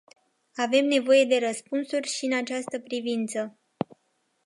Avem nevoie de răspunsuri și în această privință.